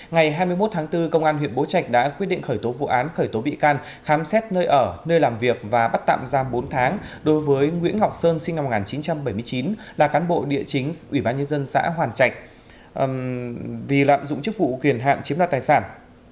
ngày hai mươi một tháng bốn công an huyện bố trạch đã quyết định khởi tố vụ án khởi tố bị can khám xét nơi ở nơi làm việc và bắt tạm giam bốn tháng đối với nguyễn ngọc sơn sinh năm một nghìn chín trăm bảy mươi chín là cán bộ địa chính ủy ban nhân dân xã hoàn trạch vì lạm dụng chức vụ quyền hạn chiếm đoạt tài sản